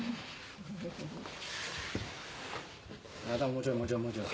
もうちょいもうちょいもうちょい。